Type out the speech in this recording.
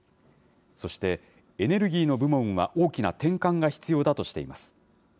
そして、エネルギーの部門は大きな転換が必要だとしています。